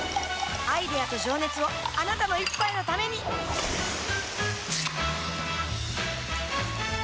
アイデアと情熱をあなたの一杯のためにプシュッ！